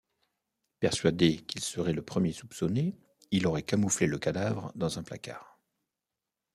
Persuadé qu'il serait le premier soupçonné, il aurait camouflé le cadavre dans un placard.